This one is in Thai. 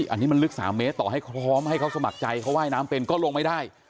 อันนี้มันลึก๓เมตรต่อให้พร้อมให้เขาสมัครใจเขาว่ายน้ำเป็นก็ลงไม่ได้